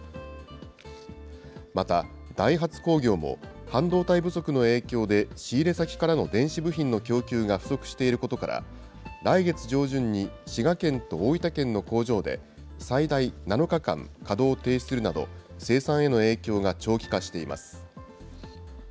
また、ダイハツ工業も、半導体不足の影響で、仕入れ先からの電子部品の供給が不足していることから、来月上旬に滋賀県と大分県の工場で、最大７日間、稼働を停止するなど、生産への影響が長期化しています。